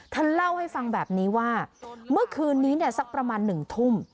เธอเล่าให้ฟังแบบนี้ว่าเมื่อคืนนี้เนี่ยสักประมาณ๑ทุ่ม